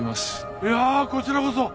いやあこちらこそ！